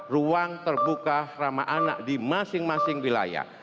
ruang terbuka ramah anak di masing masing wilayah